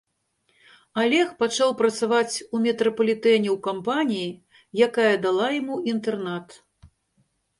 Алег пачаў працаваць у метрапалітэне ў кампаніі, якая дала яму інтэрнат.